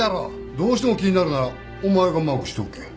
どうしても気になるならお前がマークしとけ